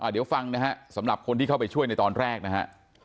เดี๋ยวฟังนะฮะสำหรับคนที่เข้าไปช่วยในตอนแรกนะฮะ